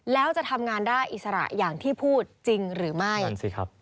แล้วจะทำงานได้อิสระอย่างที่พูดจริงหรือไม่